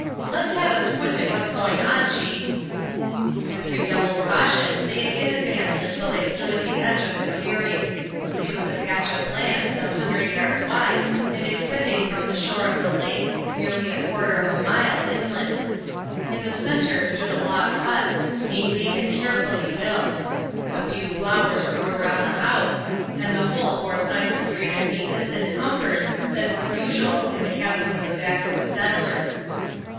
"Let's have a squint at what's going on, chief." With redoubled caution they again advanced until they stood at the edge of the clearing. It was a patch of land some hundred yards wide, and extending from the shore of the lake nearly a quarter of a mile inland. In the center stood a log hut, neatly and carefully built. A few flowers grew around the house, and the whole bore signs of greater neatness and comfort than was usual in the cabins of the backwood settlers.